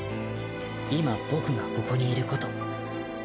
今僕がここにいること。